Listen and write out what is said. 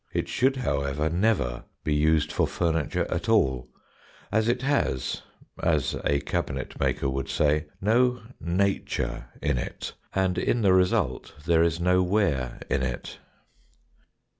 It should, however, never be used for furniture at all, as it has (as a cabinetmaker would say) no "nature" in it, and in the result there is no wear in it.